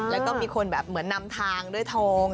แล้วก็มีคนแบบเหมือนนำทางด้วยทอง